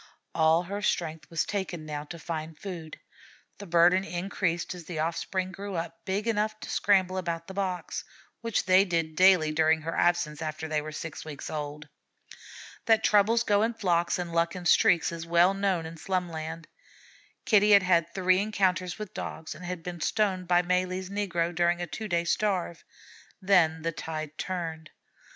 All her strength was taken now to find food. The burden increased as the offspring grew up big enough to scramble about the boxes, which they did daily during her absence after they were six weeks old. That troubles go in flocks and luck in streaks, is well known in Slumland. Kitty had had three encounters with Dogs, and had been stoned by Malee's negro during a two days' starve. Then the tide turned.